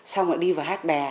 xong rồi đi vào hát bè